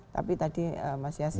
tapi tadi mas yassin